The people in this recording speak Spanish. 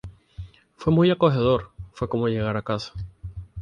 Fue muy acogedor, fue como llegar a casa.